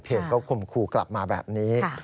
เขาคมครูกลับมาแบบนี้